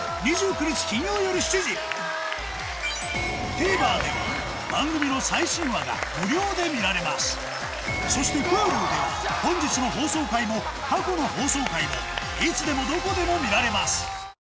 ＴＶｅｒでは番組の最新話が無料で見られますそしてＨｕｌｕでは本日の放送回も過去の放送回もいつでもどこでも見られます